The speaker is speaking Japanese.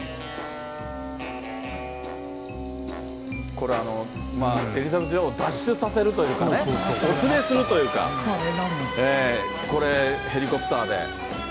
これ、エリザベス女王を脱出させるというかね、お連れするというか、これ、ヘリコプターで。